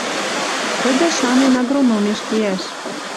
Тӹдӹ шанен агрономеш кеӓш